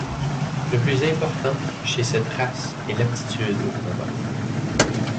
Le plus important chez cette race est l'aptitude au combat.